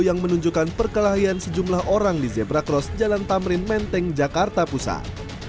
yang menunjukkan perkelahian sejumlah orang di zebra cross jalan tamrin menteng jakarta pusat